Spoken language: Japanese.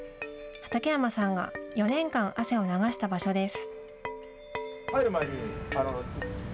畠山さんが４年間汗を流した場所です。